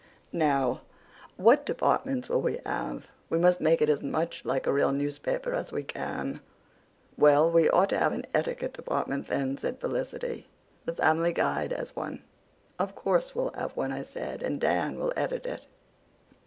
Now, what departments will we have? We must make it as much like a real newspaper as we can." "Well, we ought to have an etiquette department, then," said Felicity. "The Family Guide has one." "Of course we'll have one," I said, "and Dan will edit it."